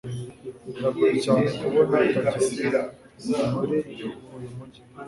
Biragoye cyane kubona tagisi muri uyu mujyi.